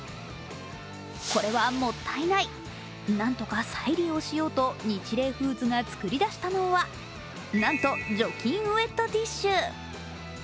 これはもったいない、なんとか採用しようとニチレイフーズが作り出したのは、なんと、除菌ウエットティッシュ。